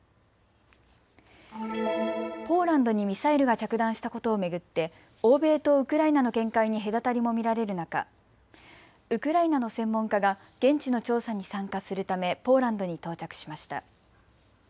ポーランドにミサイルが着弾したことを巡って欧米とウクライナの見解に隔たりも見られる中、ウクライナの専門家が現地の調査に参加するためポーランドに到着しました。